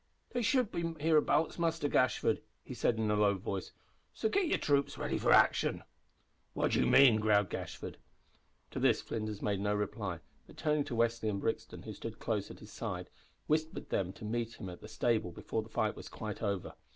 "They should be hereabouts, Muster Gashford," he said, in a low voice, "so git yer troops ready for action." "What do ye mean?" growled Gashford. To this Flinders made no reply, but turning to Westly and Brixton, who stood close at his side, whispered them to meet him at the stable before the fight was quite over.